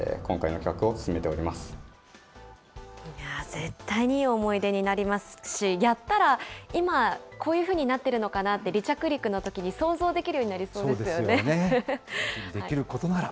絶対にいい思い出になりますし、やったら、今、こういうふうになってるのかなって、離着陸のときに想像できるよできることなら。